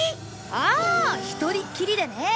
ああ一人っきりでね。